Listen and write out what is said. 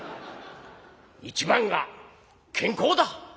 １番が健康だ。